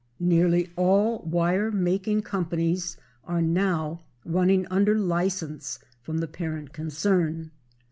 Nearly all wire making companies are now running under license from the parent concern.